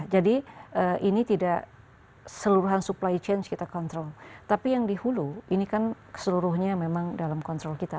jadi ini tidak seluruhan supply chain kita kontrol tapi yang di hulu ini kan seluruhnya memang dalam kontrol kita